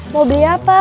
mau beli apa